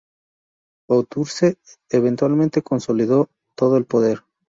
Bouterse eventualmente consolidó todo el poder.